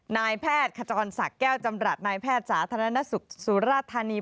นายแพทย์ขจรศักดิ์แก้วจำรัฐนายแพทย์สาธารณสุขสุราธานี